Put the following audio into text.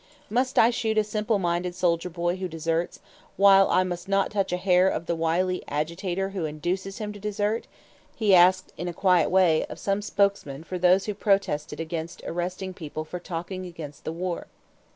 "Must I shoot a simple minded soldier boy who deserts, while I must not touch a hair of the wily agitator who induces him to desert?" he asked in a quiet way of some spokesmen for those who protested against arresting people for "talking against the war."